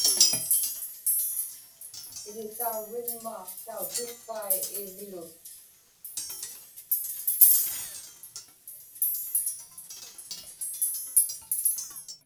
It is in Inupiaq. Iḷisaurriŋma tautukkai iglut.